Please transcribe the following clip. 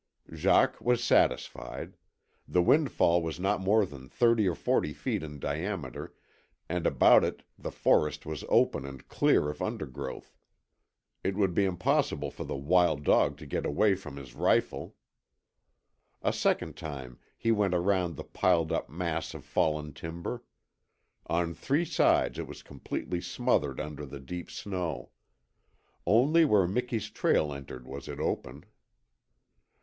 Jacques was satisfied. The windfall was not more than thirty or forty feet in diameter, and about it the forest was open and clear of undergrowth. It would be impossible for the wild dog to get away from his rifle. A second time he went around the piled up mass of fallen timber. On three sides it was completely smothered under the deep snow. Only where Miki's trail entered was it open.